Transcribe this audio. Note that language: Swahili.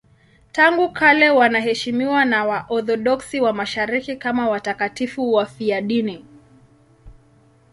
Tangu kale wanaheshimiwa na Waorthodoksi wa Mashariki kama watakatifu wafiadini.